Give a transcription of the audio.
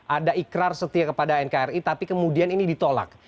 ada ikrar setia kepada nkri tapi kemudian ini ditolak